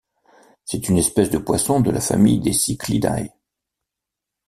C'est une espèce de poissons de la famille des Cichlidae.